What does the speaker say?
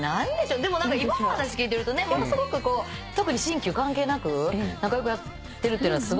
でも今の話聞いてるとねものすごく特に新旧関係なく仲良くやってるってのはすごい。